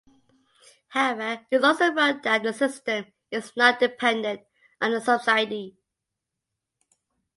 However it also wrote that the system "is not dependent" on the subsidy.